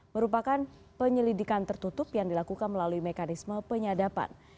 merupakan penyelidikan tertutup yang dilakukan melalui mekanisme penyadapan